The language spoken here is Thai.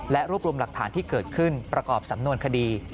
และรวบรวมหลักฐานที่เกิดขึ้นประกอบสำนวนคดี